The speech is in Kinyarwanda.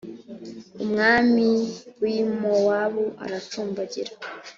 umwami wi mowabu aracumbagira.